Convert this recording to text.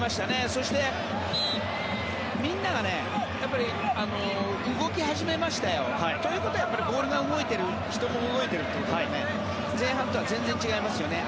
そして、みんなが動き始めましたよ。ということはボールが動いている人も動いているということだから前半とは全然違いますよね。